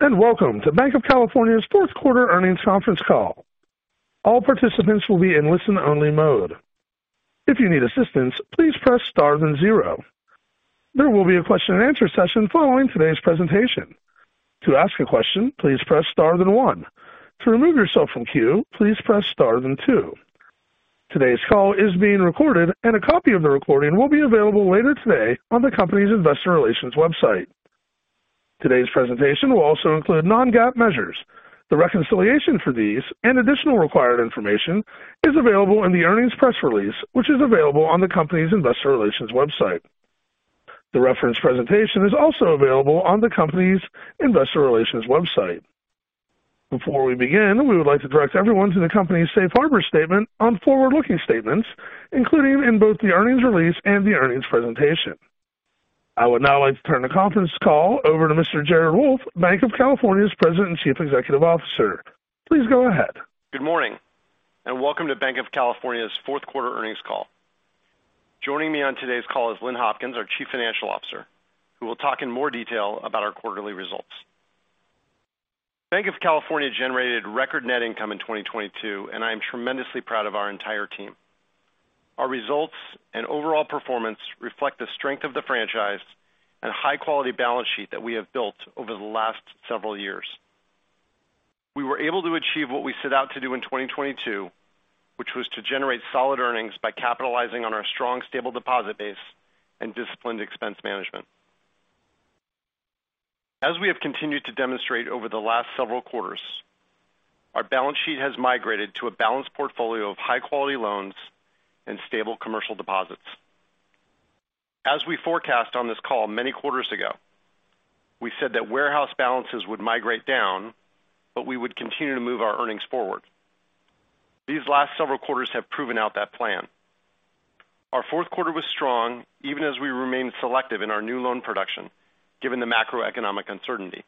Hello, welcome to Banc of California's fourth quarter earnings conference call. All participants will be in listen-only mode. If you need assistance, please press star then zero. There will be a question and answer session following today's presentation. To ask a question, please press star then one. To remove yourself from queue, please press star then two. Today's call is being recorded, and a copy of the recording will be available later today on the company's investor relations website. Today's presentation will also include non-GAAP measures. The reconciliation for these and additional required information is available in the earnings press release, which is available on the company's investor relations website. The reference presentation is also available on the company's investor relations website. Before we begin, we would like to direct everyone to the company's Safe Harbor statement on forward-looking statements, including in both the earnings release and the earnings presentation. I would now like to turn the conference call over to Mr. Jared Wolff, Banc of California's President and Chief Executive Officer. Please go ahead. Good morning and welcome to Banc of California's fourth quarter earnings call. Joining me on today's call is Lynn Hopkins, our Chief Financial Officer, who will talk in more detail about our quarterly results. Banc of California generated record net income in 2022, I am tremendously proud of our entire team. Our results and overall performance reflect the strength of the franchise and high quality balance sheet that we have built over the last several years. We were able to achieve what we set out to do in 2022, which was to generate solid earnings by capitalizing on our strong, stable deposit base and disciplined expense management. As we have continued to demonstrate over the last several quarters, our balance sheet has migrated to a balanced portfolio of high quality loans and stable commercial deposits. As we forecast on this call many quarters ago, we said that warehouse balances would migrate down, but we would continue to move our earnings forward. These last several quarters have proven out that plan. Our fourth quarter was strong even as we remained selective in our new loan production, given the macroeconomic uncertainty.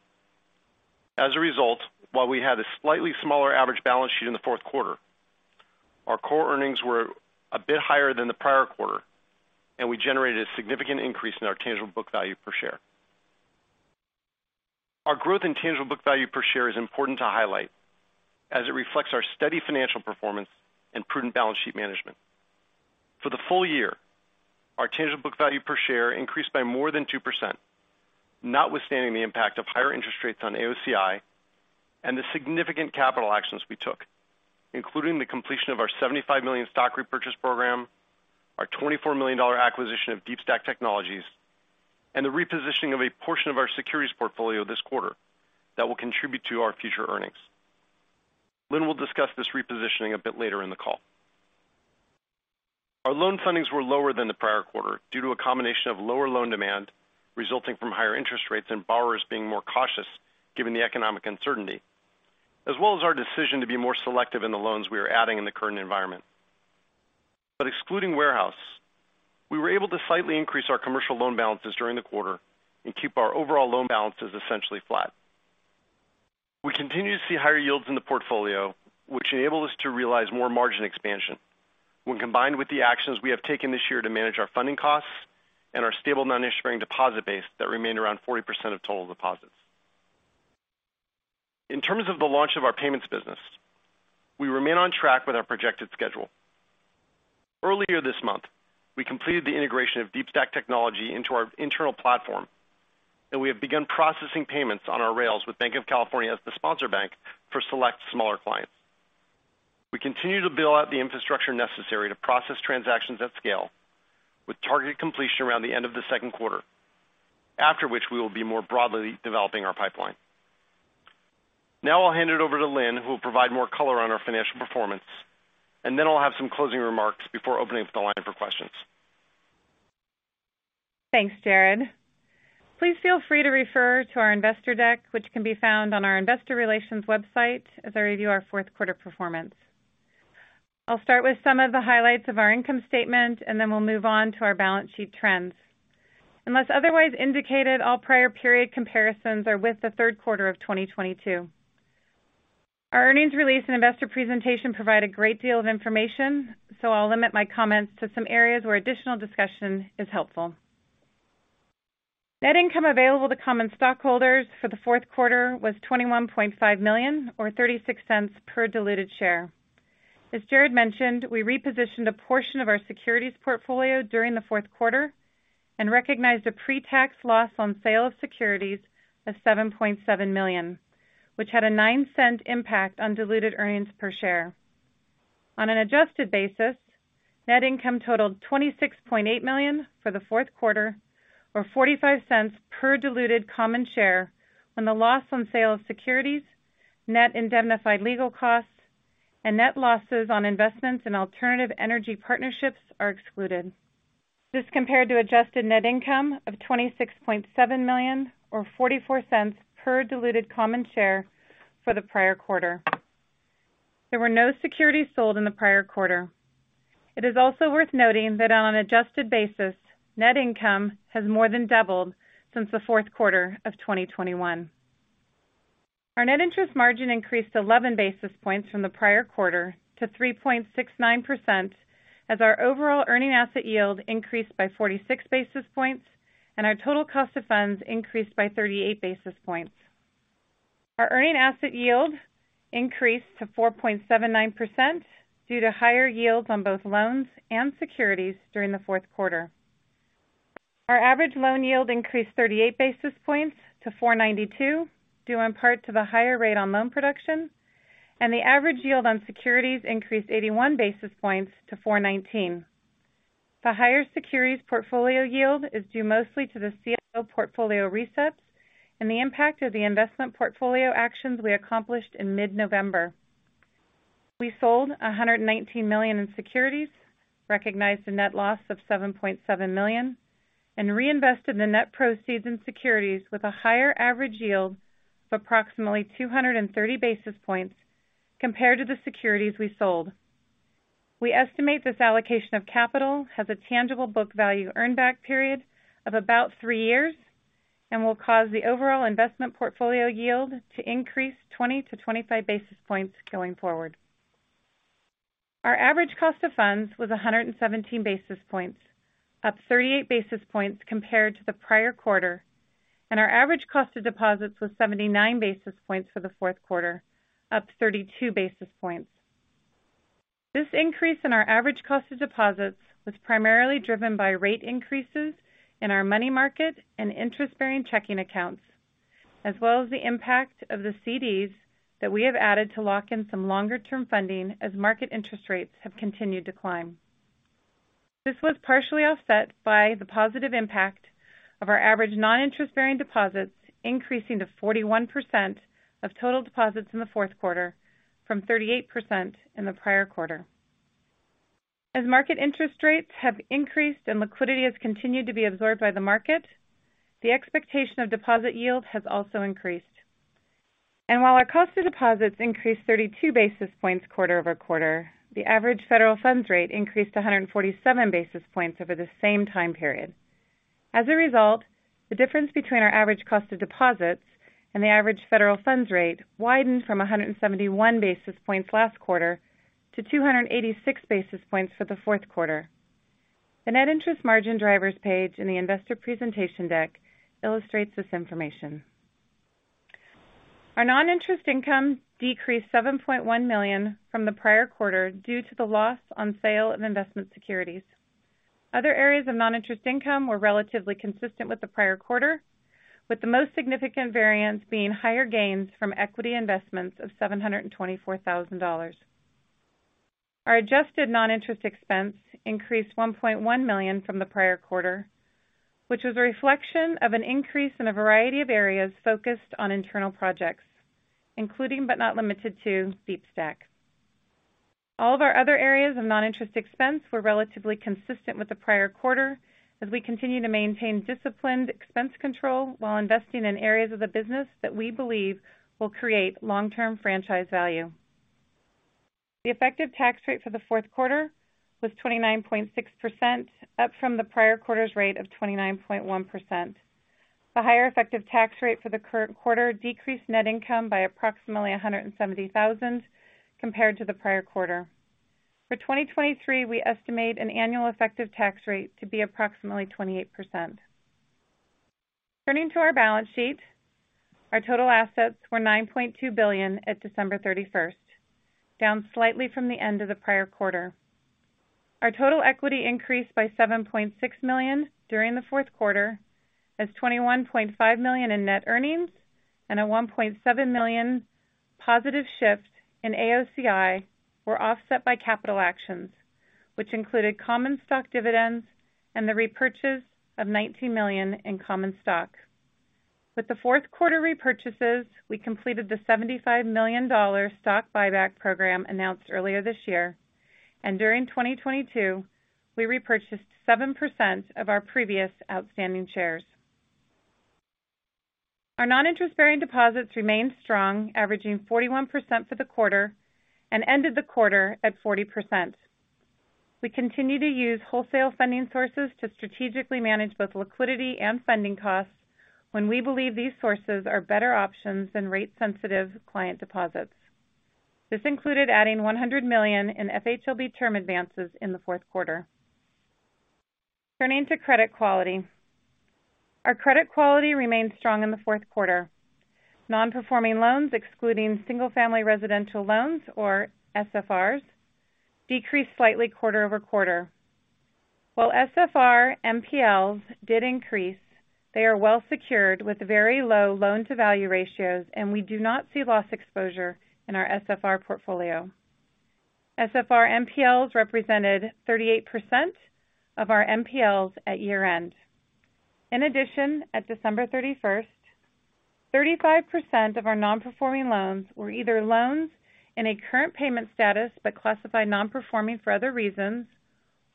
As a result, while we had a slightly smaller average balance sheet in the fourth quarter, our core earnings were a bit higher than the prior quarter, and we generated a significant increase in our tangible book value per share. Our growth in tangible book value per share is important to highlight as it reflects our steady financial performance and prudent balance sheet management. For the full year, our tangible book value per share increased by more than 2%, notwithstanding the impact of higher interest rates on AOCI and the significant capital actions we took, including the completion of our $75 million stock repurchase program, our $24 million acquisition of DeepStack Technologies, and the repositioning of a portion of our securities portfolio this quarter that will contribute to our future earnings. Lynn will discuss this repositioning a bit later in the call. Our loan fundings were lower than the prior quarter due to a combination of lower loan demand resulting from higher interest rates and borrowers being more cautious given the economic uncertainty, as well as our decision to be more selective in the loans we are adding in the current environment. Excluding warehouse, we were able to slightly increase our commercial loan balances during the quarter and keep our overall loan balances essentially flat. We continue to see higher yields in the portfolio, which enable us to realize more margin expansion when combined with the actions we have taken this year to manage our funding costs and our stable non-interest-bearing deposit base that remained around 40% of total deposits. In terms of the launch of our payments business, we remain on track with our projected schedule. Earlier this month, we completed the integration of DeepStack Technology into our internal platform, and we have begun processing payments on our rails with Banc of California as the sponsor bank for select smaller clients. We continue to build out the infrastructure necessary to process transactions at scale with targeted completion around the end of the second quarter, after which we will be more broadly developing our pipeline. I'll hand it over to Lynn, who will provide more color on our financial performance, and then I'll have some closing remarks before opening up the line for questions. Thanks, Jared. Please feel free to refer to our investor deck, which can be found on our investor relations website as I review our fourth quarter performance. I'll start with some of the highlights of our income statement, and then we'll move on to our balance sheet trends. Unless otherwise indicated, all prior period comparisons are with the third quarter of 2022. Our earnings release and investor presentation provide a great deal of information, so I'll limit my comments to some areas where additional discussion is helpful. Net income available to common stockholders for the fourth quarter was $21.5 million or $0.36 per diluted share. As Jared mentioned, we repositioned a portion of our securities portfolio during the fourth quarter and recognized a pre-tax loss on sale of securities of $7.7 million, which had a $0.09 impact on diluted earnings per share. On an adjusted basis, net income totaled $26.8 million for the fourth quarter or $0.45 per diluted common share when the loss on sale of securities, net indemnified legal costs, and net losses on investments in alternative energy partnerships are excluded. This compared to adjusted net income of $26.7 million or $0.44 per diluted common share for the prior quarter. There were no securities sold in the prior quarter. It is also worth noting that on an adjusted basis, net income has more than doubled since the fourth quarter of 2021. Our net interest margin increased 11 basis points from the prior quarter to 3.69% as our overall earning asset yield increased by 46 basis points and our total cost of funds increased by 38 basis points. Our earning asset yield increased to 4.79% due to higher yields on both loans and securities during the fourth quarter. Our average loan yield increased 38 basis points to 4.92%, due in part to the higher rate on loan production. The average yield on securities increased 81 basis points to 4.19%. The higher securities portfolio yield is due mostly to the CLO portfolio resets and the impact of the investment portfolio actions we accomplished in mid-November. We sold $119 million in securities, recognized a net loss of $7.7 million, and reinvested the net proceeds in securities with a higher average yield of approximately 230 basis points compared to the securities we sold. We estimate this allocation of capital has a tangible book value earn back period of about three years and will cause the overall investment portfolio yield to increase 20-25 basis points going forward. Our average cost of funds was 117 basis points, up 38 basis points compared to the prior quarter, and our average cost of deposits was 79 basis points for the fourth quarter, up 32 basis points. This increase in our average cost of deposits was primarily driven by rate increases in our money market and interest-bearing checking accounts, as well as the impact of the CDs that we have added to lock in some longer term funding as market interest rates have continued to climb. This was partially offset by the positive impact of our average non-interest bearing deposits increasing to 41% of total deposits in the fourth quarter from 38% in the prior quarter. As market interest rates have increased and liquidity has continued to be absorbed by the market, the expectation of deposit yield has also increased. While our cost of deposits increased 32 basis points quarter-over-quarter, the average federal funds rate increased 147 basis points over the same time period. The difference between our average cost of deposits and the average federal funds rate widened from 171 basis points last quarter to 286 basis points for the fourth quarter. The net interest margin drivers page in the investor presentation deck illustrates this information. Our non-interest income decreased $7.1 million from the prior quarter due to the loss on sale of investment securities. Other areas of non-interest income were relatively consistent with the prior quarter, with the most significant variance being higher gains from equity investments of $724,000. Our adjusted non-interest expense increased $1.1 million from the prior quarter, which was a reflection of an increase in a variety of areas focused on internal projects, including but not limited to DeepStack. All of our other areas of non-interest expense were relatively consistent with the prior quarter as we continue to maintain disciplined expense control while investing in areas of the business that we believe will create long-term franchise value. The effective tax rate for the fourth quarter was 29.6%, up from the prior quarter's rate of 29.1%. The higher effective tax rate for the current quarter decreased net income by approximately $170,000 compared to the prior quarter. For 2023, we estimate an annual effective tax rate to be approximately 28%. Turning to our balance sheet, our total assets were $9.2 billion at December 31st, down slightly from the end of the prior quarter. Our total equity increased by $7.6 million during the fourth quarter as $21.5 million in net earnings and a $1.7 million positive shift in AOCI were offset by capital actions, which included common stock dividends and the repurchase of $19 million in common stock. With the fourth quarter repurchases, we completed the $75 million dollar stock buyback program announced earlier this year. During 2022, we repurchased 7% of our previous outstanding shares. Our non-interest bearing deposits remained strong, averaging 41% for the quarter and ended the quarter at 40%. We continue to use wholesale funding sources to strategically manage both liquidity and funding costs when we believe these sources are better options than rate sensitive client deposits. This included adding $100 million in FHLB term advances in the fourth quarter. Turning to credit quality. Our credit quality remained strong in the fourth quarter. Non-performing loans, excluding single-family residential loans, or SFRs, decreased slightly quarter-over-quarter. While SFR MPLs did increase, they are well secured with very low loan to value ratios, and we do not see loss exposure in our SFR portfolio. SFR MPLs represented 38% of the MPLs at year-end. In addition, at December 31st, 35% of our non-performing loans were either loans in a current payment status but classified non-performing for other reasons,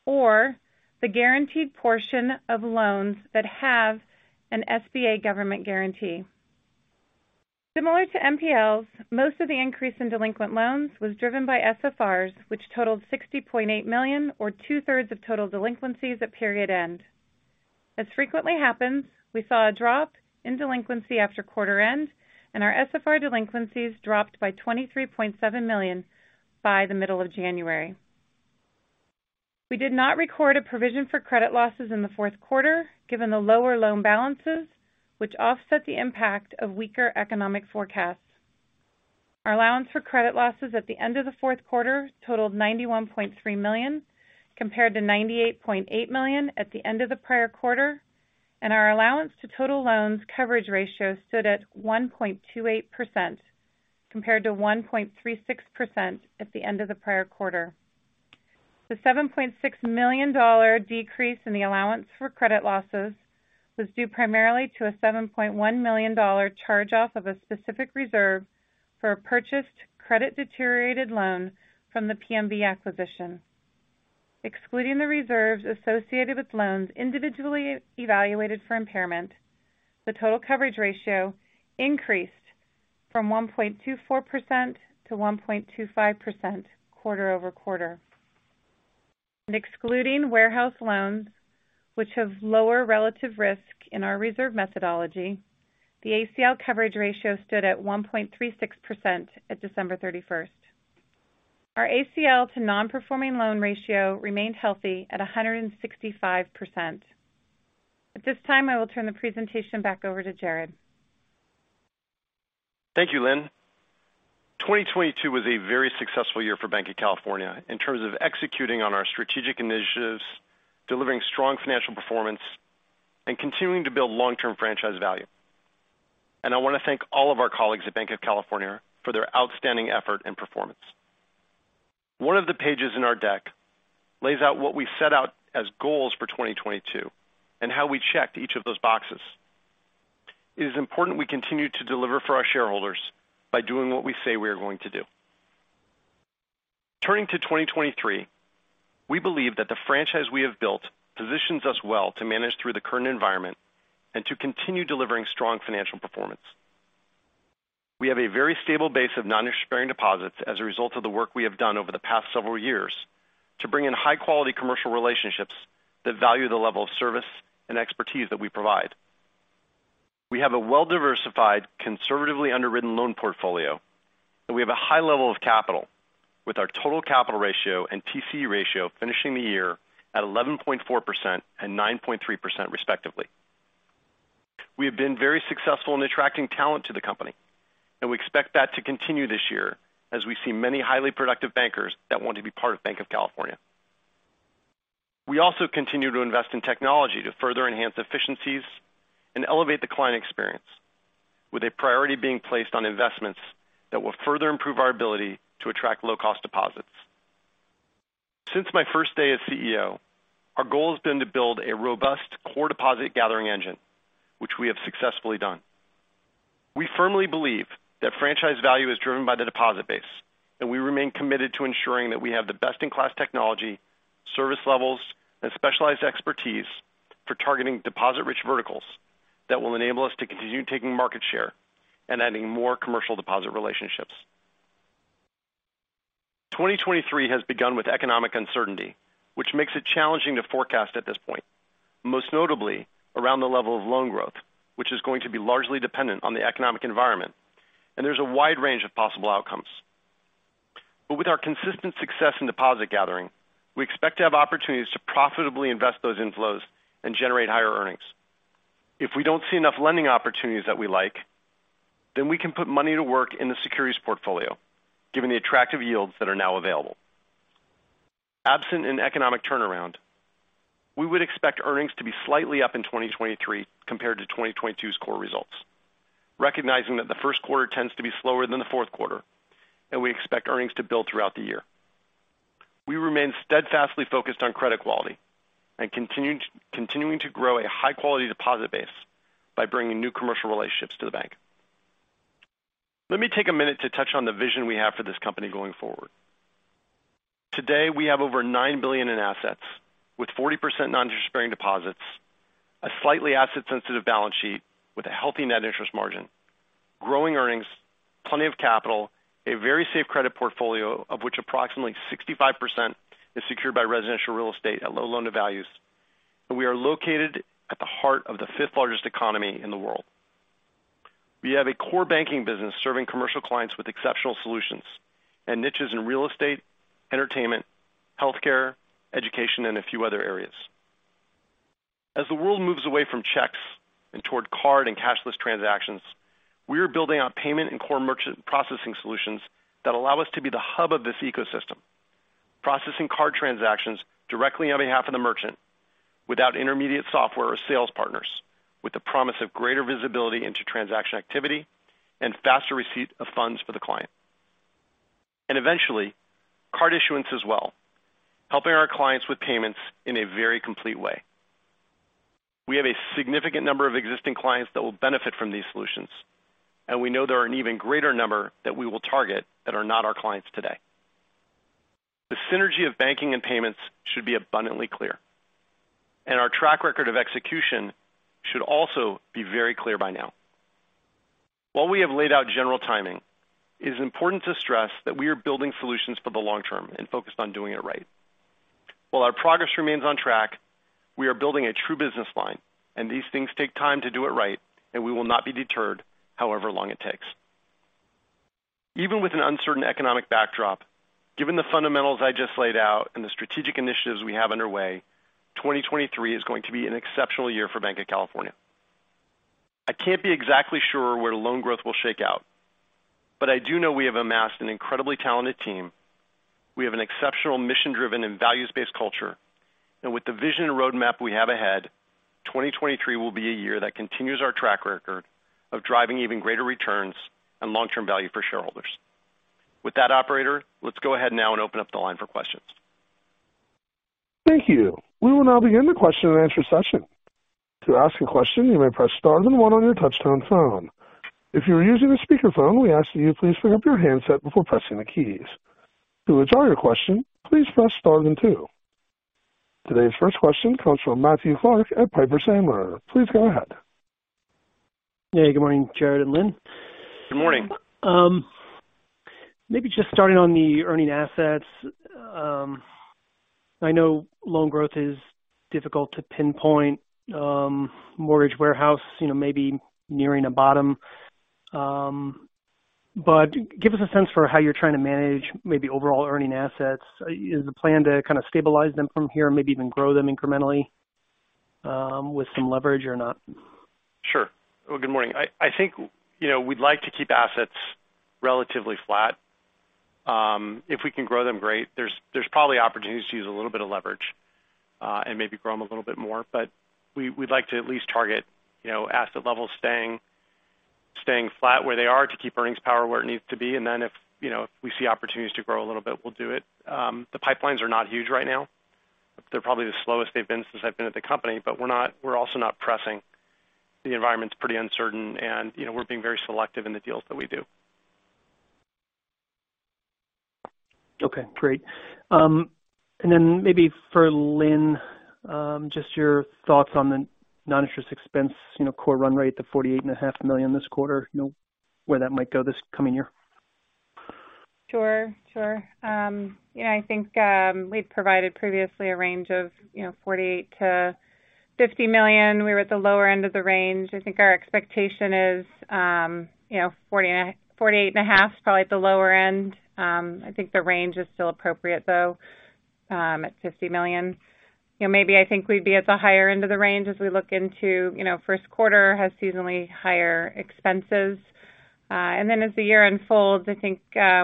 or the guaranteed portion of loans that have an SBA government guarantee. Similar to MPLs, most of the increase in delinquent loans was driven by SFRs, which totaled $60.8 million or two-thirds of total delinquencies at period end. As frequently happens, we saw a drop in delinquency after quarter end, and our SFR delinquencies dropped by $23.7 million by the middle of January. We did not record a provision for credit losses in the fourth quarter, given the lower loan balances, which offset the impact of weaker economic forecasts. Our allowance for credit losses at the end of the fourth quarter totaled $91.3 million, compared to $98.8 million at the end of the prior quarter. Our allowance to total loans coverage ratio stood at 1.28% compared to 1.36% at the end of the prior quarter. The $7.6 million decrease in the allowance for credit losses was due primarily to a $7.1 million charge off of a specific reserve for a purchased credit deteriorated loan from the PMB acquisition. Excluding the reserves associated with loans individually evaluated for impairment, the total coverage ratio increased from 1.24% to 1.25% quarter-over-quarter. Excluding warehouse loans, which have lower relative risk in our reserve methodology, the ACL coverage ratio stood at 1.36% at December 31st. Our ACL to non-performing loan ratio remained healthy at 165%. At this time, I will turn the presentation back over to Jared. Thank you, Lynn. 2022 was a very successful year for Banc of California in terms of executing on our strategic initiatives, delivering strong financial performance, and continuing to build long-term franchise value. I wanna thank all of our colleagues at Banc of California for their outstanding effort and performance. One of the pages in our deck lays out what we set out as goals for 2022 and how we checked each of those boxes. It is important we continue to deliver for our shareholders by doing what we say we are going to do. Turning to 2023, we believe that the franchise we have built positions us well to manage through the current environment and to continue delivering strong financial performance. We have a very stable base of non-interest bearing deposits as a result of the work we have done over the past several years to bring in high quality commercial relationships that value the level of service and expertise that we provide. We have a well-diversified, conservatively underwritten loan portfolio. We have a high level of capital with our total capital ratio and TCE ratio finishing the year at 11.4% and 9.3% respectively. We have been very successful in attracting talent to the company. We expect that to continue this year as we see many highly productive bankers that want to be part of Banc of California. We also continue to invest in technology to further enhance efficiencies and elevate the client experience with a priority being placed on investments that will further improve our ability to attract low cost deposits. Since my first day as CEO, our goal has been to build a robust core deposit gathering engine, which we have successfully done. We firmly believe that franchise value is driven by the deposit base, and we remain committed to ensuring that we have the best in class technology, service levels and specialized expertise for targeting deposit rich verticals that will enable us to continue taking market share and adding more commercial deposit relationships. 2023 has begun with economic uncertainty, which makes it challenging to forecast at this point, most notably around the level of loan growth, which is going to be largely dependent on the economic environment. There's a wide range of possible outcomes. With our consistent success in deposit gathering, we expect to have opportunities to profitably invest those inflows and generate higher earnings. If we don't see enough lending opportunities that we like, then we can put money to work in the securities portfolio, given the attractive yields that are now available. Absent an economic turnaround, we would expect earnings to be slightly up in 2023 compared to 2022's core results. Recognizing that the first quarter tends to be slower than the fourth quarter, and we expect earnings to build throughout the year. We remain steadfastly focused on credit quality and continuing to grow a high quality deposit base by bringing new commercial relationships to the bank. Let me take a minute to touch on the vision we have for this company going forward. Today, we have over $9 billion in assets with 40% non-interest bearing deposits, a slightly asset sensitive balance sheet with a healthy net interest margin, growing earnings, plenty of capital, a very safe credit portfolio, of which approximately 65% is secured by residential real estate at low loan to values. We are located at the heart of the 5th largest economy in the world. We have a core banking business serving commercial clients with exceptional solutions and niches in real estate, entertainment, healthcare, education, and a few other areas. As the world moves away from checks and toward card and cashless transactions, we are building on payment and core merchant processing solutions that allow us to be the hub of this ecosystem, processing card transactions directly on behalf of the merchant without intermediate software or sales partners, with the promise of greater visibility into transaction activity and faster receipt of funds for the client. Eventually card issuance as well, helping our clients with payments in a very complete way. We have a significant number of existing clients that will benefit from these solutions. We know there are an even greater number that we will target that are not our clients today. The synergy of banking and payments should be abundantly clear. Our track record of execution should also be very clear by now. While we have laid out general timing, it is important to stress that we are building solutions for the long term and focused on doing it right. While our progress remains on track, we are building a true business line. These things take time to do it right. We will not be deterred however long it takes. Even with an uncertain economic backdrop, given the fundamentals I just laid out and the strategic initiatives we have underway, 2023 is going to be an exceptional year for Banc of California. I can't be exactly sure where loan growth will shake out. I do know we have amassed an incredibly talented team. We have an exceptional mission-driven and values-based culture, and with the vision and roadmap we have ahead, 2023 will be a year that continues our track record of driving even greater returns and long-term value for shareholders. With that, operator, let's go ahead now and open up the line for questions. Thank you. We will now begin the question and answer session. To ask a question, you may press star then one on your touchtone phone. If you're using a speaker phone, we ask that you please pick up your handset before pressing the keys. To withdraw your question, please press star then two. Today's first question comes from Matthew Clark at Piper Sandler. Please go ahead. Yeah. Good morning, Jared and Lynn. Good morning. Maybe just starting on the earning assets. I know loan growth is difficult to pinpoint, mortgage warehouse maybe nearing a bottom. Give us a sense for how you're trying to manage maybe overall earning assets. Is the plan to kind of stabilize them from here and maybe even grow them incrementally, with some leverage or not? Sure. Well, good morning. I think we'd like to keep assets relatively flat. If we can grow them, great. There's probably opportunities to use a little bit of leverage and maybe grow them a little bit more. But we'd like to at least target asset levels staying flat where they are to keep earnings power where it needs to be. And then if if we see opportunities to grow a little bit, we'll do it. The pipelines are not huge right now. They're probably the slowest they've been since I've been at the company. But we're also not pressing. The environment's pretty uncertain and we're being very selective in the deals that we do. Okay, great. Maybe for Lynn, just your thoughts on the non-interest expense core run rate, the $48.5 million this quarter where that might go this coming year? Sure. Yeah, I think, we've provided previously a range of $48 million-$50 million. We were at the lower end of the range. I think our expectation is $48.5 million, probably at the lower end. I think the range is still appropriate, though, at $50 million. You know, maybe I think we'd be at the higher end of the range as we look into first quarter has seasonally higher expenses. Then as the year unfolds, I think,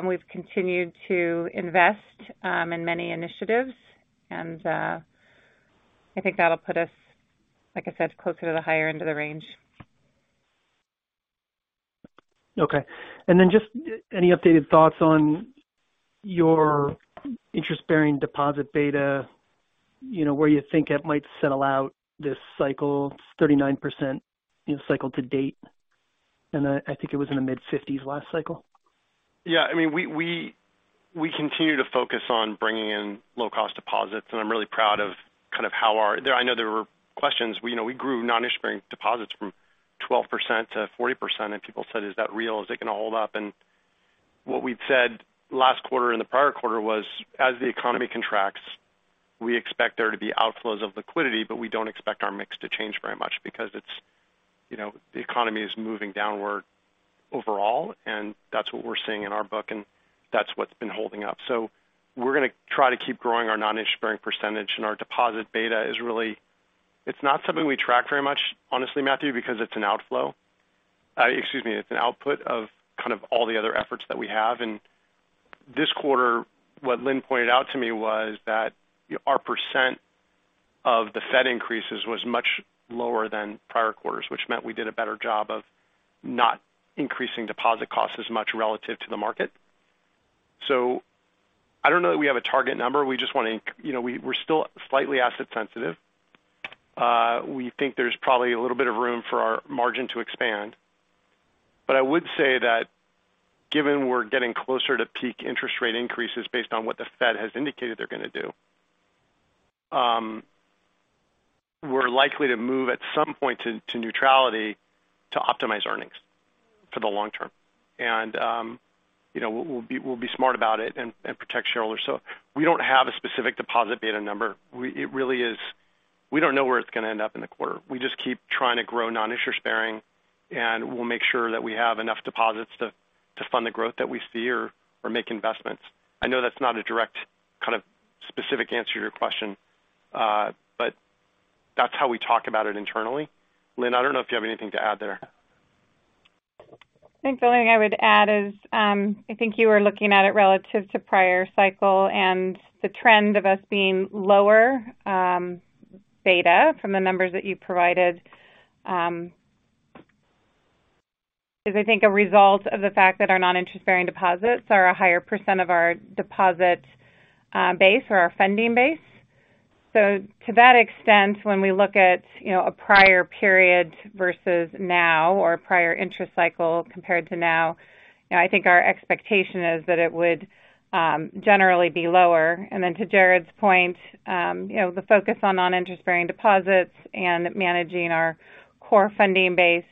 we've continued to invest, in many initiatives. I think that'll put us, like I said, closer to the higher end of the range. Okay. Just any updated thoughts on your interest-bearing deposit beta where you think it might settle out this cycle, it's 39% cycle to date. I think it was in the mid-50s last cycle. I mean, we continue to focus on bringing in low-cost deposits, and I'm really proud of kind of how our... I know there were questions. You know, we grew non-interest bearing deposits from 12% to 40%, and people said, "Is that real? Is it gonna hold up?" What we'd said last quarter and the prior quarter was, as the economy contracts, we expect there to be outflows of liquidity, but we don't expect our mix to change very much because it's the economy is moving downward overall, and that's what we're seeing in our book, and that's what's been holding up. We're gonna try to keep growing our non-interest bearing percentage. Our deposit beta is really, it's not something we track very much, honestly, Matthew, because it's an outflow. Excuse me, it's an output of kind of all the other efforts that we have. This quarter, what Lynn pointed out to me was that our % of the Fed increases was much lower than prior quarters, which meant we did a better job of not increasing deposit costs as much relative to the market. I don't know that we have a target number. We just wanna. You know, we're still slightly asset sensitive. We think there's probably a little bit of room for our margin to expand. I would say that given we're getting closer to peak interest rate increases based on what the Fed has indicated they're gonna do, we're likely to move at some point to neutrality to optimize earnings for the long term. You know, we'll be smart about it and protect shareholders. We don't have a specific deposit beta number. It really is, we don't know where it's gonna end up in the quarter. We just keep trying to grow non-interest bearing, and we'll make sure that we have enough deposits to fund the growth that we see or make investments. I know that's not a direct kind of specific answer to your question, but that's how we talk about it internally. Lynn, I don't know if you have anything to add there. I think the only thing I would add is, I think you were looking at it relative to prior cycle and the trend of us being lower, beta from the numbers that you provided, is I think a result of the fact that our non-interest-bearing deposits are a higher % of our deposit, base or our funding base. To that extent, when we look at a prior period versus now or a prior interest cycle compared to now I think our expectation is that it would generally be lower. To Jared's point the focus on non-interest-bearing deposits and managing our core funding base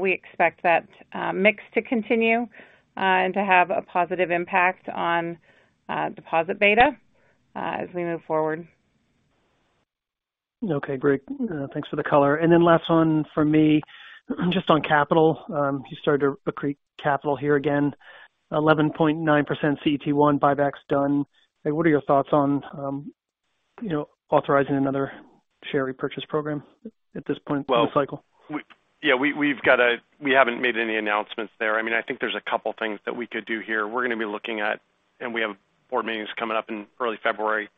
we expect that mix to continue and to have a positive impact on deposit beta as we move forward. Okay, great. Thanks for the color. Last one from me, just on capital. You started to accrete capital here again, 11.9% CET1 buybacks done. What are your thoughts on authorizing another share repurchase program at this point in the cycle? We haven't made any announcements there. I mean, I think there's a couple things that we could do here. We're gonna be looking at, and we have board meetings coming up in early February,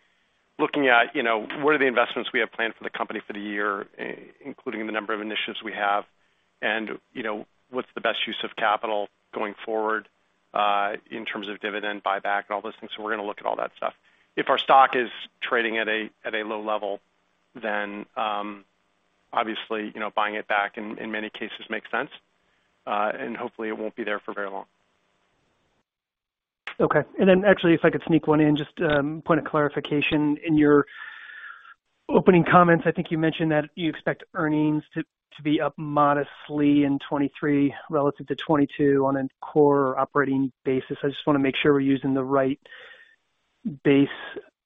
looking at what are the investments we have planned for the company for the year, including the number of initiatives we have, and what's the best use of capital going forward, in terms of dividend buyback and all those things. We're gonna look at all that stuff. If our stock is trading at a low level, then, obviously buying it back in many cases makes sense, and hopefully it won't be there for very long. Okay. Actually, if I could sneak one in, just, point of clarification. In your opening comments, I think you mentioned that you expect earnings to be up modestly in 23 relative to 22 on a core operating basis. I just wanna make sure we're using the right base.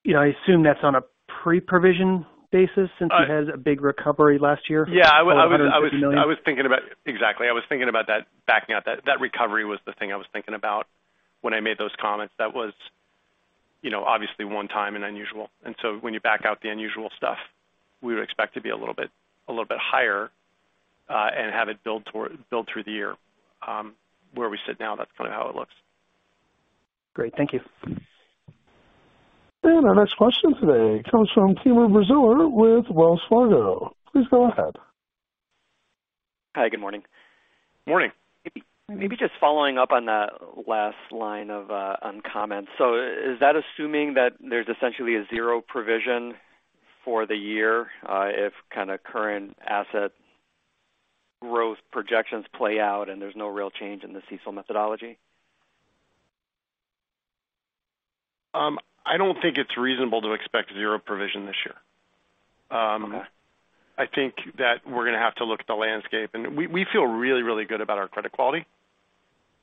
You know, I assume that's on a pre-provision basis since it has a big recovery last year. Yeah. $450 million. I was thinking about. Exactly. I was thinking about that, backing out that recovery was the thing I was thinking about when I made those comments. That was obviously one time and unusual. When you back out the unusual stuff, we would expect to be a little bit higher and have it build through the year. Where we sit now, that's kind of how it looks. Great. Thank you. Our next question today comes from Timur Braziler with Wells Fargo. Please go ahead. Hi. Good morning. Morning. Maybe just following up on that last line of comments. Is that assuming that there's essentially a zero provision for the year, if kinda current asset growth projections play out and there's no real change in the CECL methodology? I don't think it's reasonable to expect 0 provision this year. Okay. I think that we're gonna have to look at the landscape. We feel really, really good about our credit quality.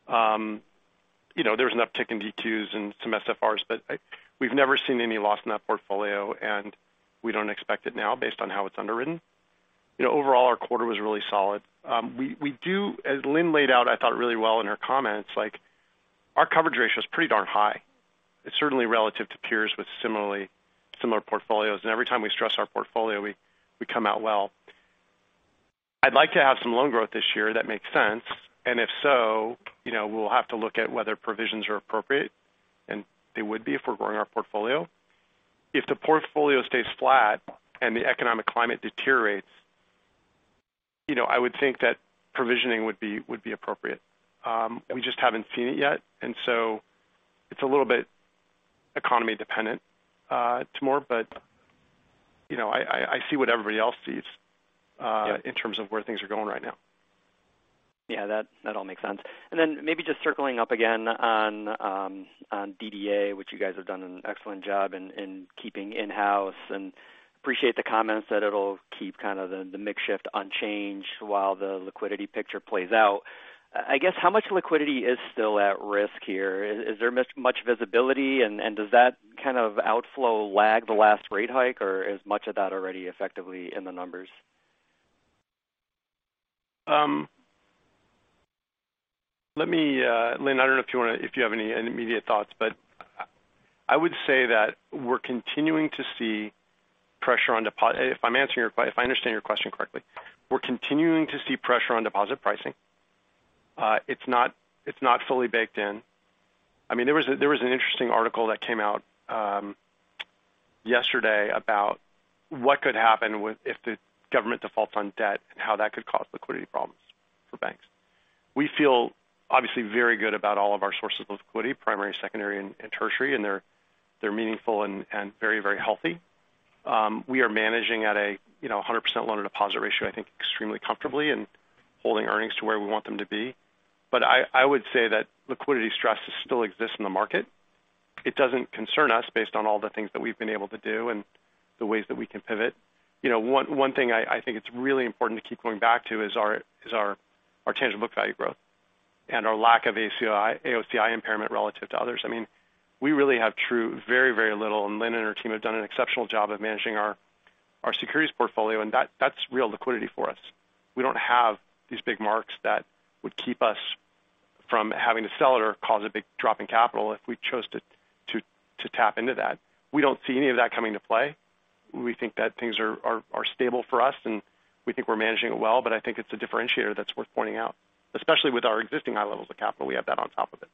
You know, there was an uptick in D2S and some SFRs, but we've never seen any loss in that portfolio, and we don't expect it now based on how it's underwritten. You know, overall, our quarter was really solid. We do, as Lynn laid out, I thought really well in her comments, like, our coverage ratio is pretty darn high. It's certainly relative to peers with similar portfolios. Every time we stress our portfolio, we come out well. I'd like to have some loan growth this year. That makes sense. If so we'll have to look at whether provisions are appropriate, and they would be if we're growing our portfolio. If the portfolio stays flat and the economic climate deteriorates I would think that provisioning would be appropriate. We just haven't seen it yet, it's a little bit economy dependent, Timur, but I, I see what everybody else sees, in terms of where things are going right now. That, that all makes sense. Then maybe just circling up again on DDA, which you guys have done an excellent job in keeping in-house and appreciate the comments that it'll keep kind of the mix shift unchanged while the liquidity picture plays out. I guess, how much liquidity is still at risk here? Is there much visibility, and does that kind of outflow lag the last rate hike, or is much of that already effectively in the numbers? Let me Lynn, I don't know if you have any immediate thoughts, but I would say that we're continuing to see pressure on, if I understand your question correctly, we're continuing to see pressure on deposit pricing. It's not fully baked in. I mean, there was an interesting article that came out yesterday about what could happen if the government defaults on debt and how that could cause liquidity problems for banks. We feel obviously very good about all of our sources of liquidity, primary, secondary and tertiary, and they're meaningful and very, very healthy. We are managing at a a 100% loan-to-deposit ratio, I think extremely comfortably and holding earnings to where we want them to be. I would say that liquidity stresses still exist in the market. It doesn't concern us based on all the things that we've been able to do and the ways that we can pivot. You know, one thing I think it's really important to keep going back to is our tangible book value growth and our lack of AOCI impairment relative to others. I mean, we really have true, very little, and Lynn and her team have done an exceptional job of managing our securities portfolio, and that's real liquidity for us. We don't have these big marks that would keep us from having to sell it or cause a big drop in capital if we chose to tap into that. We don't see any of that coming to play. We think that things are stable for us, and we think we're managing it well, but I think it's a differentiator that's worth pointing out, especially with our existing high levels of capital. We have that on top of it.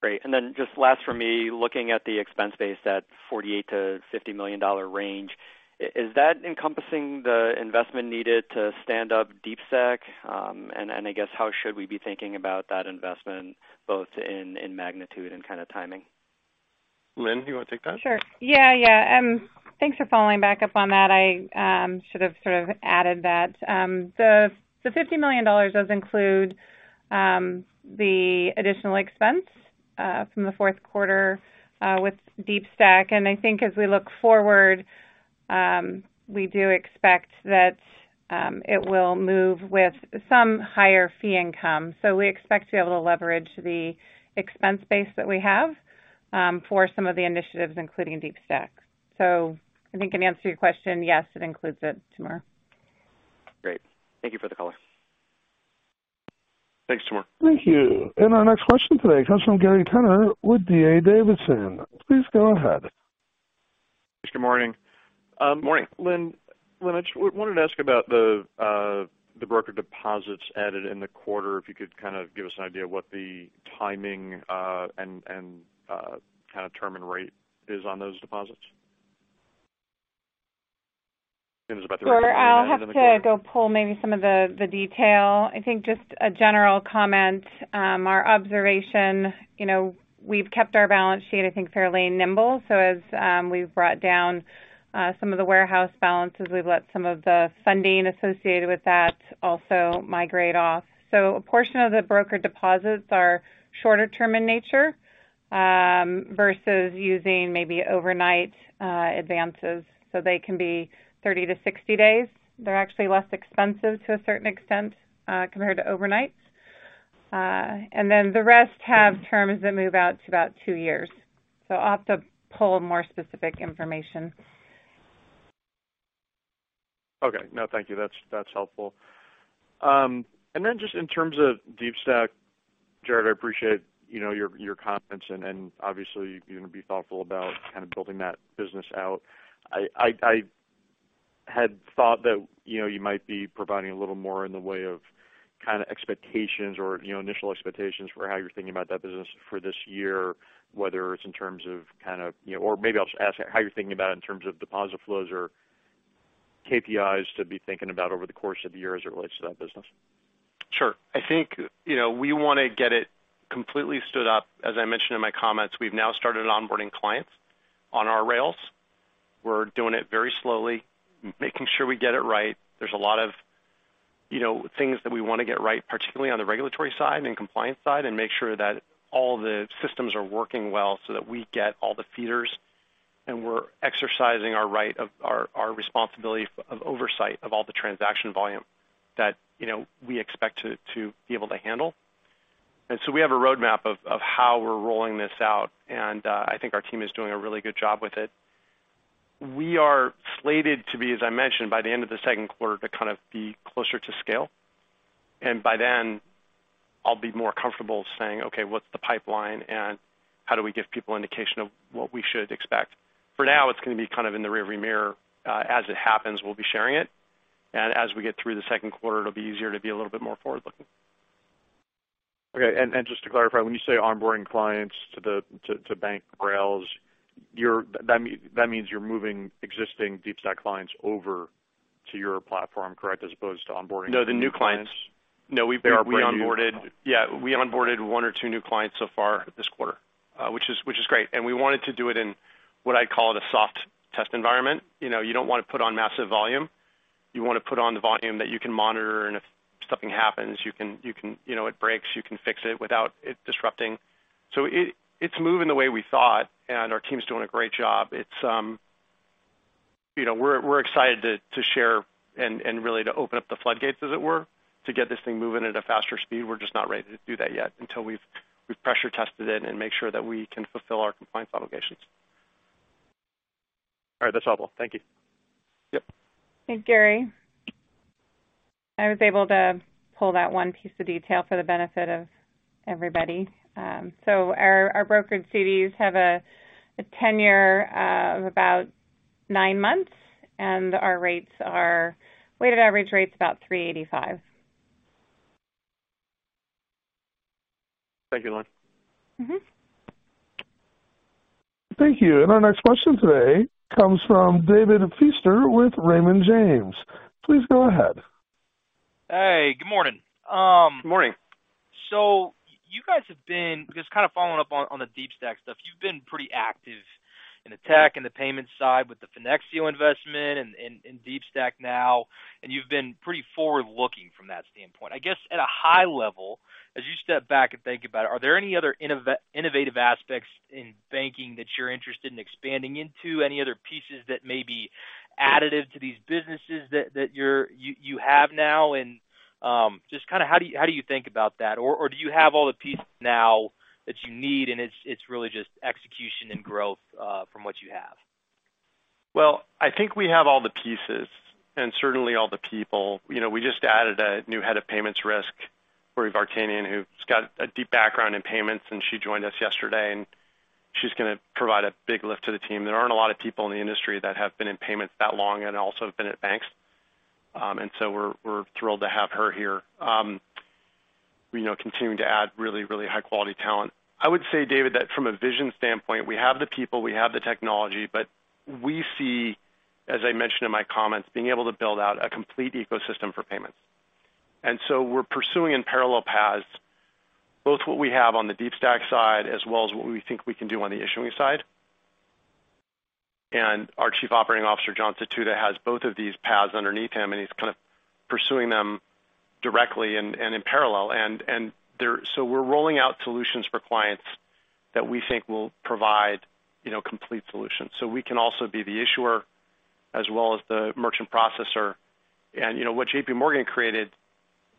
Great. Just last for me, looking at the expense base, that $48 million-$50 million range, is that encompassing the investment needed to stand up DeepStack, and I guess how should we be thinking about that investment both in magnitude and kind of timing? Lynn, you want to take that? Sure. Yeah, yeah. Thanks for following back up on that. I should have sort of added that. The $50 million does include the additional expense from the fourth quarter with DeepStack. I think as we look forward, we do expect that it will move with some higher fee income. We expect to be able to leverage the expense base that we have for some of the initiatives, including DeepStack. I think in answer to your question, yes, it includes it, Timur. Great. Thank you for the color. Thanks, Timur. Thank you. Our next question today comes from Gary Tenner with D.A. Davidson. Please go ahead. Good morning. Morning. Lynn, I wanted to ask about the broker deposits added in the quarter, if you could kind of give us an idea of what the timing, and kind of term and rate is on those deposits? Sure. I'll have to go pull maybe some of the detail. I think just a general comment, our observation we've kept our balance sheet, I think, fairly nimble. As we've brought down some of the warehouse balances, we've let some of the funding associated with that also migrate off. A portion of the broker deposits are shorter term in nature, versus using maybe overnight advances. They can be 30 to 60 days. They're actually less expensive to a certain extent, compared to overnights. The rest have terms that move out to about two years. I'll have to pull more specific information. Okay. No, thank you. That's helpful. Then just in terms of DeepStack, Jared, I appreciate your comments and obviously you're going to be thoughtful about kind of building that business out. I had thought that you might be providing a little more in the way of kind of expectations or initial expectations for how you're thinking about that business for this year. Or maybe I'll just ask how you're thinking about it in terms of deposit flows or KPIs to be thinking about over the course of the year as it relates to that business. Sure. I think we want to get it completely stood up. As I mentioned in my comments, we've now started onboarding clients on our rails. We're doing it very slowly, making sure we get it right. There's a lot of things that we want to get right, particularly on the regulatory side and compliance side, and make sure that all the systems are working well so that we get all the feeders. We're exercising our responsibility of oversight of all the transaction volume that we expect to be able to handle. We have a roadmap of how we're rolling this out, and I think our team is doing a really good job with it. We are slated to be, as I mentioned, by the end of the second quarter, to kind of be closer to scale. By then I'll be more comfortable saying, okay, what's the pipeline and how do we give people indication of what we should expect? For now, it's going to be kind of in the rearview mirror. As it happens, we'll be sharing it. As we get through the second quarter, it'll be easier to be a little bit more forward-looking. Okay. Just to clarify, when you say onboarding clients to bank rails, that means you're moving existing DeepStack clients over to your platform, correct? As opposed to onboarding. No, they're new clients. No, we. They are brand new. We onboarded one or two new clients so far this quarter, which is great. We wanted to do it in what I call a soft test environment. You know, you don't want to put on massive volume. You want to put on the volume that you can monitor, and if something happens, you can it breaks, you can fix it without it disrupting. It's moving the way we thought, and our team's doing a great job. It's we're excited to share and really to open up the floodgates, as it were, to get this thing moving at a faster speed. We're just not ready to do that yet until we've pressure tested it and make sure that we can fulfill our compliance obligations. All right. That's all. Thank you. Yep. Thanks, Gary. I was able to pull that one piece of detail for the benefit of everybody. Our brokered CDs have a tenure of about 9 months, and our weighted average rate's about 3.85%. Thank you, Lynn. Mm-hmm. Thank you. Our next question today comes from David Feaster with Raymond James. Please go ahead. Hey, good morning. Good morning. Just kind of following up on the DeepStack stuff. You've been pretty active in the tech and the payment side with the Finexio investment and DeepStack now. You've been pretty forward-looking from that standpoint. I guess at a high level, as you step back and think about it, are there any other innovative aspects in banking that you're interested in expanding into? Any other pieces that may be additive to these businesses that you have now? Just kind of how do you think about that? Do you have all the pieces now that you need and it's really just execution and growth from what you have? I think we have all the pieces and certainly all the people. You know, we just added a new head of payments risk, Rory Vartanian, who's got a deep background in payments, and she joined us yesterday, and she's gonna provide a big lift to the team. There aren't a lot of people in the industry that have been in payments that long and also been at banks. And so we're thrilled to have her here. You know, continuing to add really, really high-quality talent. I would say, David, that from a vision standpoint, we have the people, we have the technology, but we see, as I mentioned in my comments, being able to build out a complete ecosystem for payments. We're pursuing in parallel paths both what we have on the DeepStack side as well as what we think we can do on the issuing side. Our Chief Operating Officer, John Sotoodeh has both of these paths underneath him, and he's kind of pursuing them directly and in parallel. We're rolling out solutions for clients that we think will provide complete solutions. We can also be the issuer as well as the merchant processor. You know, what JPMorgan created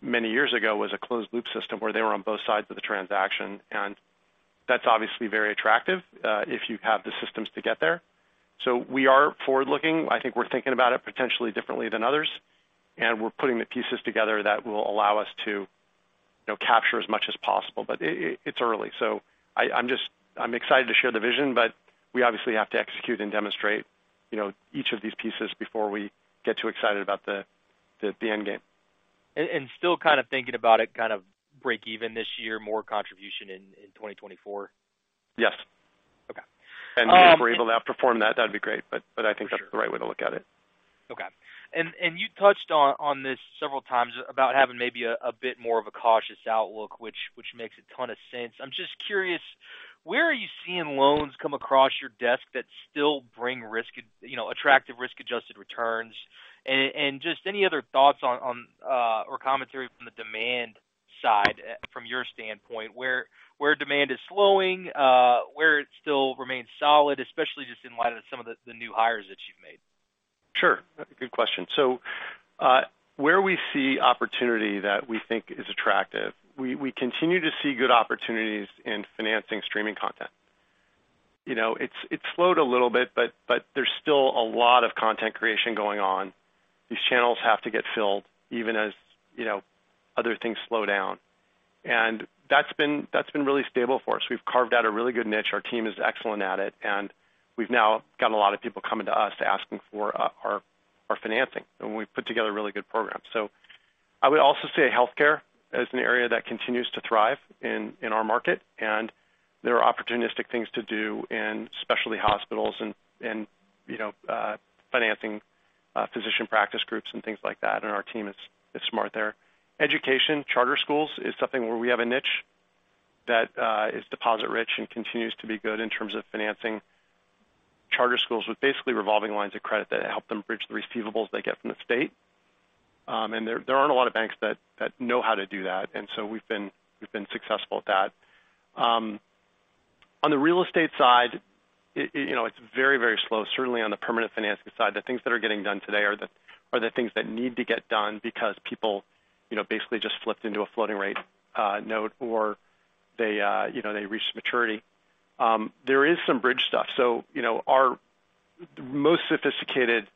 many years ago was a closed loop system where they were on both sides of the transaction. That's obviously very attractive, if you have the systems to get there. We are forward-looking. I think we're thinking about it potentially differently than others, and we're putting the pieces together that will allow us to capture as much as possible. It's early. I'm excited to share the vision, but we obviously have to execute and demonstrate each of these pieces before we get too excited about the end game. Still kind of thinking about it, kind of break even this year, more contribution in 2024? Yes. Okay, um- If we're able to outperform that'd be great, but I think that's the right way to look at it. Okay. You touched on this several times about having maybe a bit more of a cautious outlook, which makes a ton of sense. I'm just curious, where are you seeing loans come across your desk that still bring risk- you know, attractive risk-adjusted returns? Just any other thoughts on or commentary from the demand side from your standpoint, where demand is slowing, where it still remains solid, especially just in light of some of the new hires that you've made. Sure. Good question. Where we see opportunity that we think is attractive, we continue to see good opportunities in financing streaming content. You know, it's slowed a little bit, but there's still a lot of content creation going on. These channels have to get filled even as other things slow down. That's been really stable for us. We've carved out a really good niche. Our team is excellent at it, and we've now gotten a lot of people coming to us asking for our financing, and we've put together a really good program. I would also say healthcare is an area that continues to thrive in our market, and there are opportunistic things to do in specialty hospitals and financing physician practice groups and things like that, and our team is smart there. Education, charter schools is something where we have a niche that is deposit rich and continues to be good in terms of financing charter schools with basically revolving lines of credit that help them bridge the receivables they get from the state. There aren't a lot of banks that know how to do that. We've been successful at that. On the real estate side it's very slow, certainly on the permanent financing side. The things that are getting done today are the things that need to get done because people basically just flipped into a floating rate note or they they reached maturity. There is some bridge stuff. You know, our most sophisticated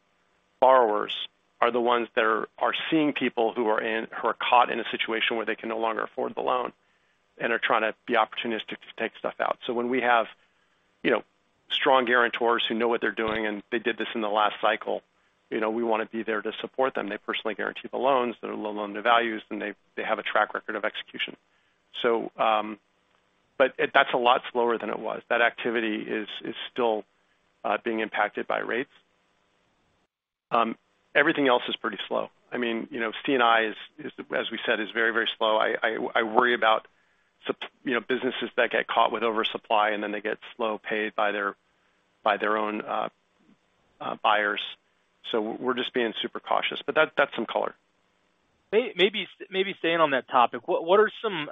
borrowers are the ones that are seeing people who are caught in a situation where they can no longer afford the loan and are trying to be opportunistic to take stuff out. When we have strong guarantors who know what they're doing, and they did this in the last cycle we wanna be there to support them. They personally guarantee the loans that are low loan to values, and they have a track record of execution. That's a lot slower than it was. That activity is still being impacted by rates. Everything else is pretty slow. I mean C&I is, as we said, is very slow. I worry about you know, businesses that get caught with oversupply and then they get slow paid by their own buyers. We're just being super cautious. That's some color. Maybe staying on that topic, what are some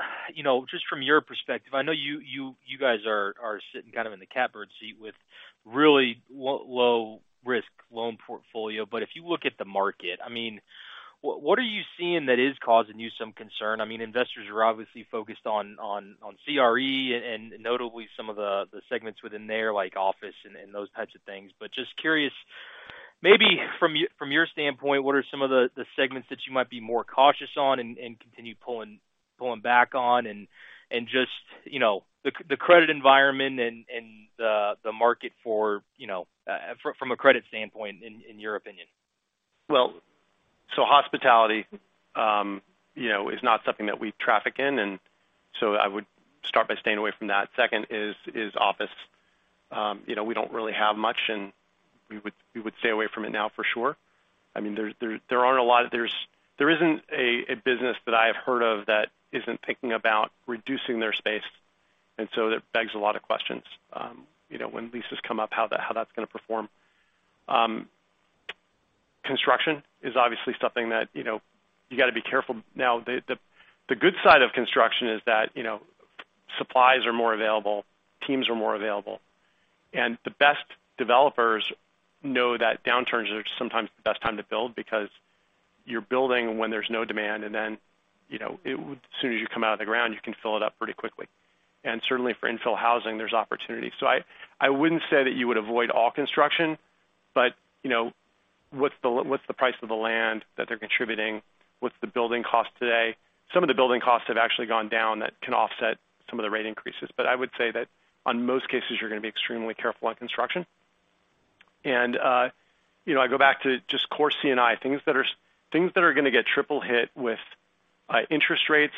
just from your perspective, I know you guys are sitting kind of in the catbird seat with really low risk loan portfolio. If you look at the market, I mean, what are you seeing that is causing you some concern? I mean, investors are obviously focused on CRE and notably some of the segments within there, like office and those types of things. Just curious, maybe from your standpoint, what are some of the segments that you might be more cautious on and continue pulling back on and just the credit environment and the market for from a credit standpoint in your opinion? Hospitality is not something that we traffic in. I would start by staying away from that. Second is office. You know, we don't really have much. We would stay away from it now for sure. I mean, there aren't a lot of. There isn't a business that I have heard of that isn't thinking about reducing their space. That begs a lot of questions when leases come up, how that's gonna perform. Construction is obviously something that you gotta be careful. The good side of construction is that supplies are more available, teams are more available, the best developers know that downturns are sometimes the best time to build because you're building when there's no demand, then as soon as you come out of the ground, you can fill it up pretty quickly. Certainly for infill housing, there's opportunities. I wouldn't say that you would avoid all construction what's the price of the land that they're contributing? What's the building cost today? Some of the building costs have actually gone down that can offset some of the rate increases. I would say that on most cases, you're gonna be extremely careful on construction. You know, I go back to just core C&I, things that are things that are gonna get triple hit with interest rates,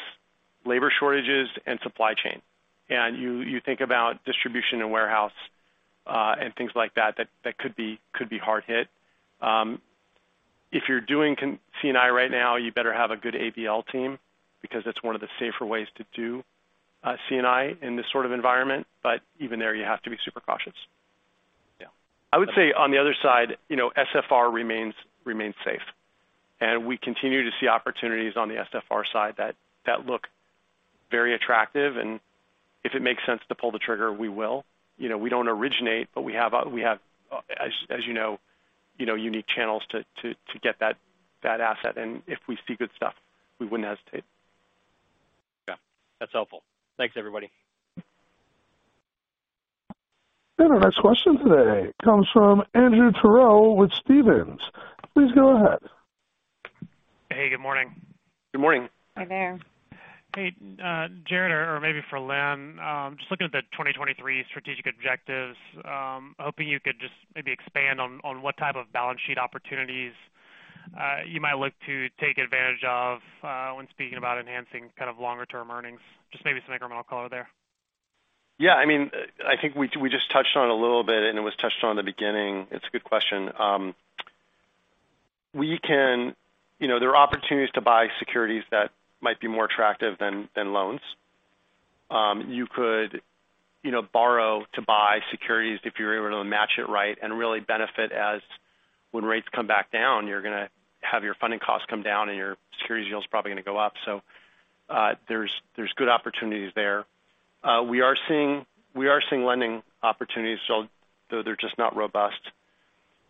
labor shortages and supply chain. You think about distribution and warehouse and things like that could be hard hit. If you're doing C&I right now, you better have a good ABL team because that's one of the safer ways to do C&I in this sort of environment. Even there, you have to be super cautious. Yeah. I would say on the other side SFR remains safe. We continue to see opportunities on the SFR side that look very attractive. If it makes sense to pull the trigger, we will. You know, we don't originate, but we have, as you know, unique channels to get that asset. If we see good stuff, we wouldn't hesitate. Yeah. That's helpful. Thanks, everybody. Our next question today comes from Andrew Terrell with Stephens. Please go ahead. Hey, good morning. Good morning. Hi there. Hey, Jared, or maybe for Lynn. Just looking at the 2023 strategic objectives, hoping you could just maybe expand on what type of balance sheet opportunities you might look to take advantage of when speaking about enhancing kind of longer term earnings. Just maybe some incremental color there. Yeah. I mean, I think we just touched on a little bit, and it was touched on in the beginning. It's a good question. We can... You know, there are opportunities to buy securities that might be more attractive than loans. You could borrow to buy securities if you're able to match it right and really benefit as when rates come back down, you're gonna have your funding costs come down and your securities yield is probably gonna go up. There's good opportunities there. We are seeing lending opportunities still, though they're just not robust.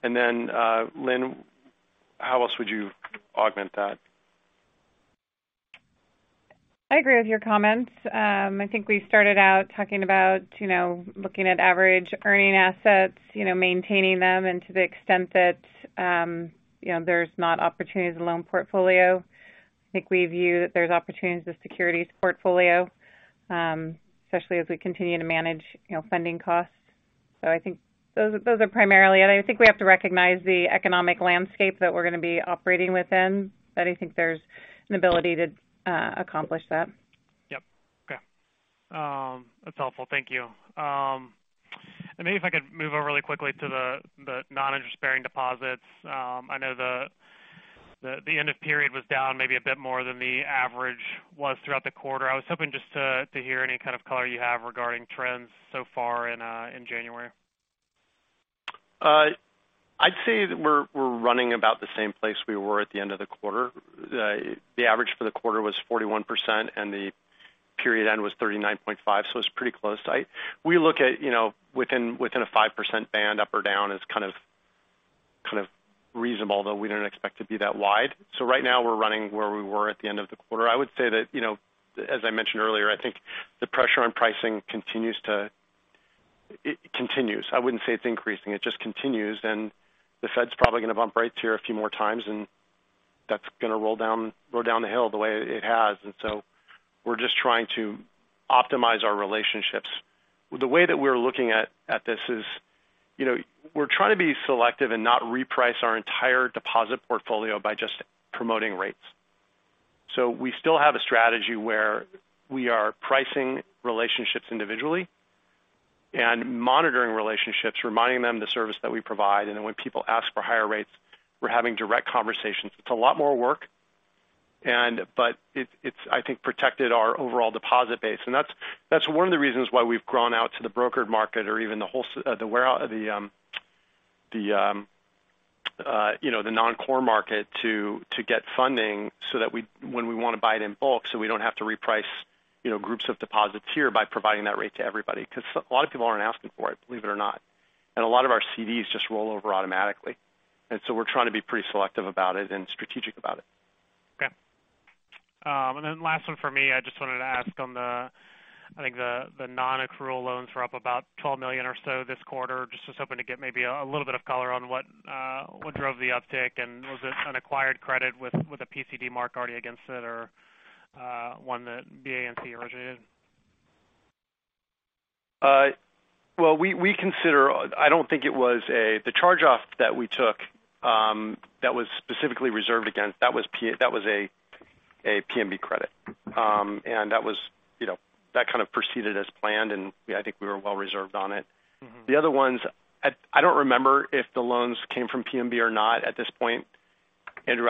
Lynn, how else would you augment that? I agree with your comments. I think we started out talking about looking at average earning assets maintaining them and to the extent that there's not opportunities in the loan portfolio. I think we view that there's opportunities in the securities portfolio, especially as we continue to manage funding costs. I think those are primarily. I think we have to recognize the economic landscape that we're gonna be operating within, but I think there's an ability to accomplish that. Yep. Okay. That's helpful. Thank you. Maybe if I could move over really quickly to the non-interest-bearing deposits. I know the end of period was down maybe a bit more than the average was throughout the quarter. I was hoping just to hear any kind of color you have regarding trends so far in January. I'd say we're running about the same place we were at the end of the quarter. The average for the quarter was 41%, and the period end was 39.5%, so it's pretty close. We look at within a 5% band up or down is kind of reasonable, though we don't expect to be that wide. Right now, we're running where we were at the end of the quarter. I would say that as I mentioned earlier, I think the pressure on pricing it continues. I wouldn't say it's increasing. It just continues. The Fed's probably gonna bump rates here a few more times, and that's gonna roll down the hill the way it has. We're just trying to optimize our relationships. The way that we're looking at this is we're trying to be selective and not reprice our entire deposit portfolio by just promoting rates. We still have a strategy where we are pricing relationships individually and monitoring relationships, reminding them the service that we provide. When people ask for higher rates, we're having direct conversations. It's a lot more work, but it's I think protected our overall deposit base. That's one of the reasons why we've grown out to the brokered market or even the wholesale, the warehouse, the non-core market to get funding so that when we wanna buy it in bulk, so we don't have to reprice groups of deposits here by providing that rate to everybody. A lot of people aren't asking for it, believe it or not. A lot of our CDs just roll over automatically. We're trying to be pretty selective about it and strategic about it. Okay. Last one for me. I just wanted to ask on the non-accrual loans were up about $12 million or so this quarter. Just was hoping to get maybe a little bit of color on what drove the uptick, and was it an acquired credit with a PCD mark already against it or one that BANC originated? Well, I don't think it was the charge-off that we took, that was specifically reserved against, that was a PMB credit. That was that kind of proceeded as planned, and I think we were well reserved on it. Mm-hmm. The other ones, I don't remember if the loans came from PMB or not at this point, Andrew.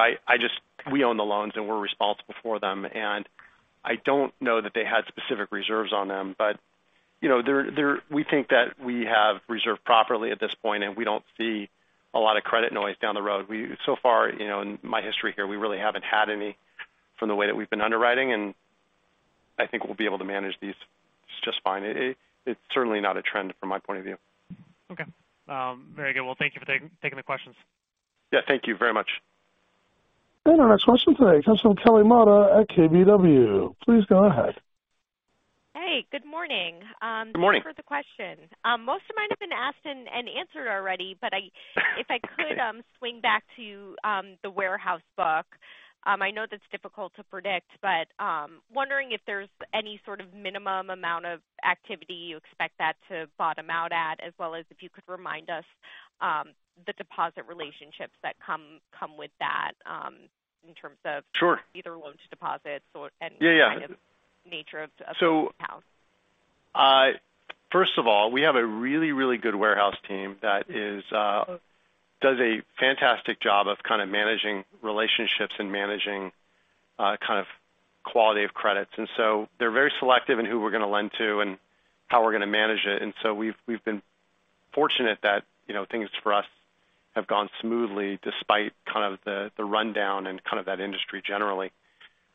We own the loans, and we're responsible for them, and I don't know that they had specific reserves on them. You know, we think that we have reserved properly at this point, and we don't see a lot of credit noise down the road. So far in my history here, we really haven't had any from the way that we've been underwriting, and I think we'll be able to manage these just fine. It's certainly not a trend from my point of view. Okay. very good. Well, thank you for taking the questions. Yeah, thank you very much. Our next question today comes from Kelly Motta at KBW. Please go ahead. Hey, good morning. Good morning. Thank you for the question. Most of mine have been asked and answered already. If I could swing back to the warehouse book. I know that's difficult to predict, but wondering if there's any sort of minimum amount of activity you expect that to bottom out at, as well as if you could remind us the deposit relationships that come with that, in terms of. Sure. Either loan to deposits. Yeah, yeah. Kind of nature of the warehouse. First of all, we have a really, really good warehouse team that is, does a fantastic job of kind of managing relationships and managing, kind of quality of credits. They're very selective in who we're gonna lend to and how we're gonna manage it. We've been fortunate that things for us have gone smoothly despite kind of the rundown and kind of that industry generally.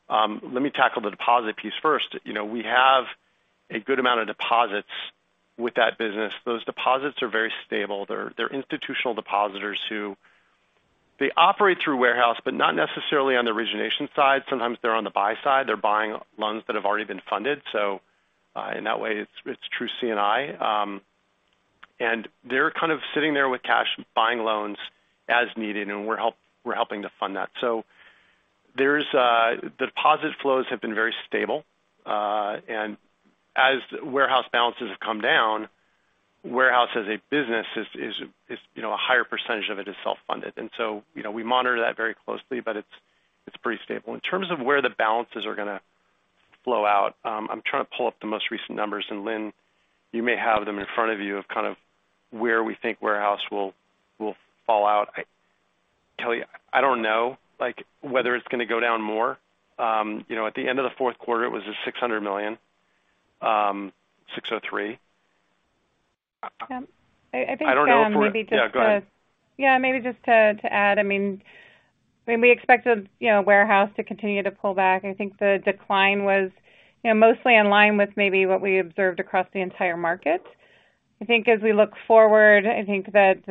Let me tackle the deposit piece first. You know, we have a good amount of deposits with that business. Those deposits are very stable. They're institutional depositors who they operate through warehouse, but not necessarily on the origination side. Sometimes they're on the buy side. They're buying loans that have already been funded. In that way, it's true C&I. They're kind of sitting there with cash, buying loans as needed, and we're helping to fund that. There's deposit flows have been very stable. As warehouse balances have come down, warehouse as a business is you know, a higher percentage of it is self-funded. You know, we monitor that very closely, but it's pretty stable. In terms of where the balances are gonna flow out, I'm trying to pull up the most recent numbers, and Lynn Hopkins, you may have them in front of you, of kind of where we think warehouse will fall out. Kelly Motta, I don't know, like, whether it's gonna go down more. You know, at the end of the fourth quarter, it was at $600 million, $603. Yeah. I think. Yeah, go ahead. Yeah. Maybe just to add, I mean, we expected warehouse to continue to pull back. I think the decline was mostly in line with maybe what we observed across the entire market. I think as we look forward, I think that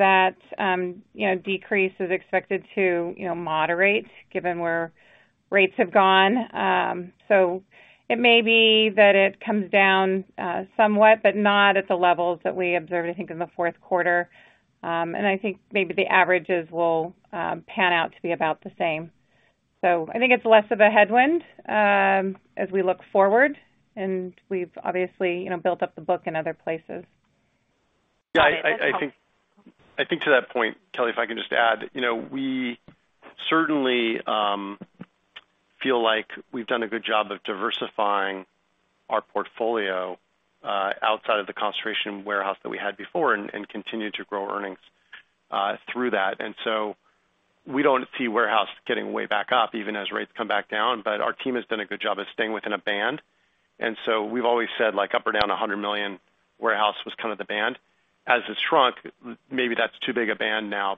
decrease is expected to moderate given where rates have gone. It may be that it comes down, somewhat, but not at the levels that we observed, I think, in the fourth quarter. I think maybe the averages will pan out to be about the same. I think it's less of a headwind, as we look forward, and we've obviously built up the book in other places. I think to that point, Kelly, if I can just add. You know, we certainly feel like we've done a good job of diversifying our portfolio outside of the concentration warehouse that we had before and continue to grow earnings through that. We don't see warehouse getting way back up even as rates come back down. Our team has done a good job of staying within a band. We've always said, like up or down $100 million, warehouse was kind of the band. As it's shrunk, maybe that's too big a band now.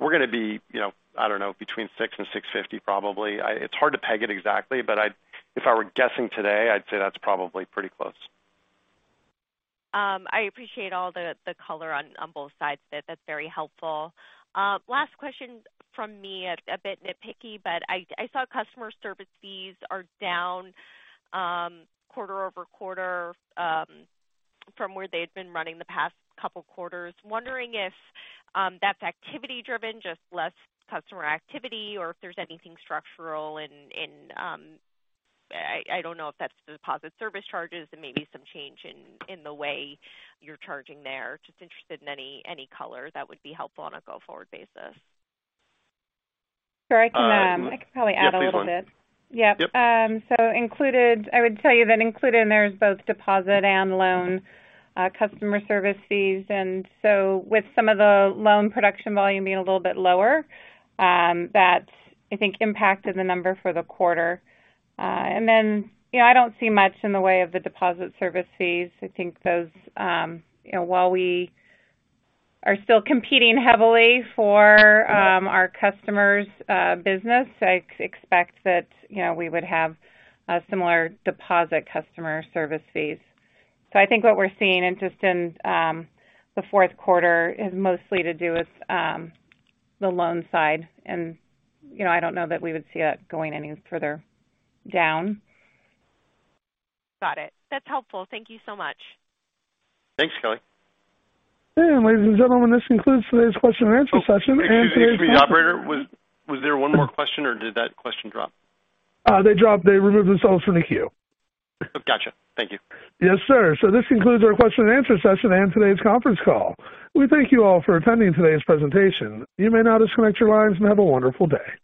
We're gonna be I don't know, between $600 million-$650 million probably. It's hard to peg it exactly, but if I were guessing today, I'd say that's probably pretty close. I appreciate all the color on both sides there. That's very helpful. Last question from me, a bit nitpicky, but I saw customer service fees are down quarter over quarter from where they had been running the past couple quarters. Wondering if that's activity driven, just less customer activity or if there's anything structural, I don't know if that's deposit service charges and maybe some change in the way you're charging there. Just interested in any color that would be helpful on a go-forward basis. Sure. I can probably add a little bit. Yeah, please, Lynn. Yeah. Yep. I would tell you that included in there is both deposit and loan customer service fees. With some of the loan production volume being a little bit lower, that's I think impacted the number for the quarter. Then I don't see much in the way of the deposit service fees. I think those while we are still competing heavily for our customers business, I expect that we would have a similar deposit customer service fees. I think what we're seeing and just in the fourth quarter is mostly to do with the loan side. You know, I don't know that we would see that going any further down. Got it. That's helpful. Thank you so much. Thanks, Kelly. Ladies and gentlemen, this concludes today's question and answer session. Oh. Excuse me, operator. Was there one more question or did that question drop? They removed themselves from the queue. Gotcha. Thank you. Yes, sir. This concludes our question and answer session and today's conference call. We thank you all for attending today's presentation. You may now disconnect your lines and have a wonderful day.